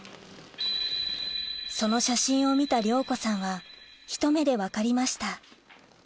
その写真を見た亮子さんはひと目で分かりました